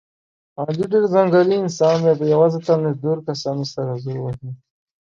علي ډېر ځنګلي انسان دی، په یوازې تن له دور کسانو سره زور وهي.